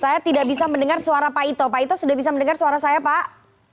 saya tidak bisa mendengar suara pak ito pak ito sudah bisa mendengar suara saya pak